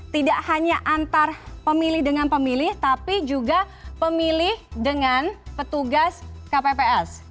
tidak hanya antar pemilih dengan pemilih tapi juga pemilih dengan petugas kpps